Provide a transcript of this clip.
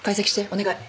お願い。